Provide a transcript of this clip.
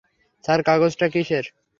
Sir কাগজটা কিসের?